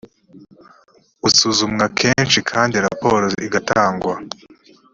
busuzumwa kenshi kandi raporo igatangwa